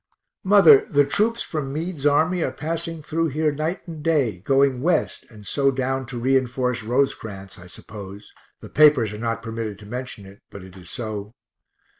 Mother, the troops from Meade's army are passing through here night and day, going West and so down to reinforce Rosecrans I suppose the papers are not permitted to mention it, but it is so.